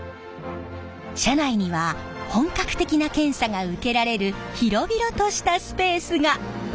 車内には本格的な検査が受けられる広々としたスペースが！